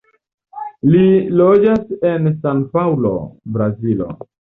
Li loĝas en San-Paŭlo, Brazilo.